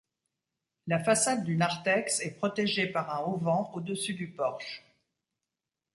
La façade du narthex est protégée par un auvent au-dessus du porche.